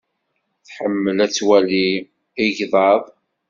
Tḥemmel ad twali igḍaḍ.